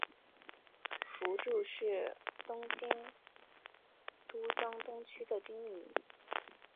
福住是东京都江东区的町名。